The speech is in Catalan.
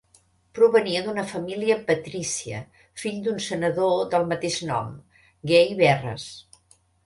Provenia d'una família patrícia, fill d'un senador del mateix nom Gai Verres.